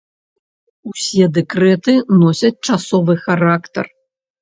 Усе дэкрэты носяць часовы характар.